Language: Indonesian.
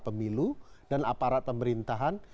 pemilu dan aparat pemerintahan